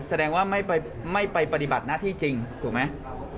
แสดงว่าไม่ไปปฏิบัติหน้าที่จริงถูกไหม